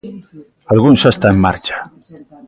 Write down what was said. Algún xa está en marcha.